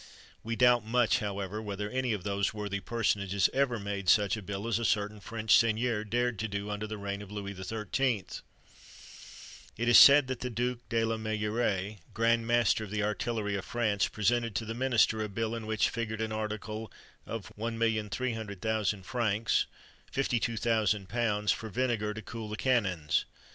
We doubt much, however, whether any of those worthy personages ever made such a bill as a certain French seigneur dared to do under the reign of Louis XIII. It is said that the Duc de la Meilleraye, grand master of the artillery of France, presented to the minister a bill in which figured an article of 1,300,000 francs (£52,000), for vinegar to cool the cannons!